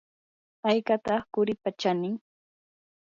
¿haykataq quripa chanin?